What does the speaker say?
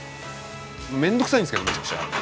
めんどくさいんですけどめちゃくちゃ。